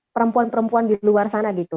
perempuan perempuan di luar sana gitu